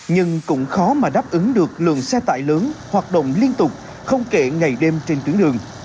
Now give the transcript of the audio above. nhưng cũng khó mà đáp ứng được lượng xe tải lớn hoạt động liên tục không kể ngày đêm trên tuyến đường